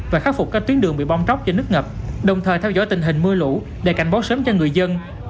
và khắc phục các tuyến đường bị bong chóc do nước ngập đồng thời theo dõi tình hình mưa lũ để cảnh báo sớm cho người dân